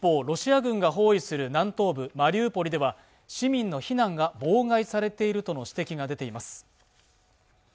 ロシア軍が包囲する南東部マリウポリでは市民の避難が妨害されているとの指摘が出ています